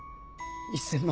１０００万